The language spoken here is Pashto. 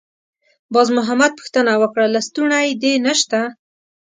باز محمد پوښتنه وکړه: «لستوڼی دې نشته؟»